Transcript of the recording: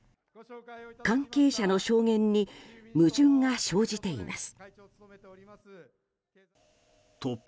関係者の証言に矛盾が生じています。